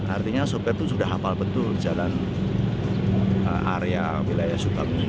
artinya sopir itu sudah hafal betul jalan area wilayah sukabumi